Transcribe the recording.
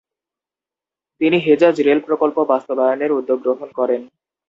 তিনি Hejaz rail প্রকল্প বাস্তবায়নের উদ্যোগ গ্রহণ করেন।